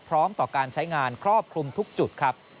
พร้อมต่อการใช้งานครอบคลุมทุกจุดครับ